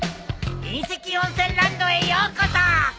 隕石温泉ランドへようこそ！